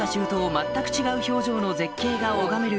全く違う表情の絶景が拝める